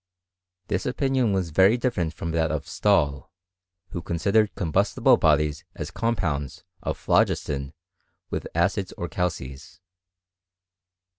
ThS opinion was very different from that of Stahl, who cobj* sidered combustiblebodies as compounds of phlogistoi with acids or calces.